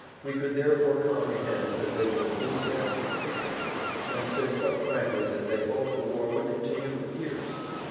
We could therefore comprehend that they were enthusiastic patriots and said quite frankly that they hoped the war would continue for years.